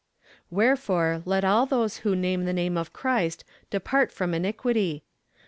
Wherefore let all those who name the name of Christ depart from iniquity!